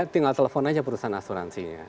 tinggal telepon aja perusahaan asuransinya